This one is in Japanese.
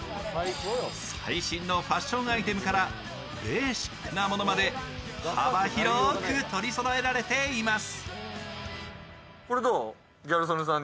最新のファッションアイテムからベーシックなものまで幅広く取りそろえられています。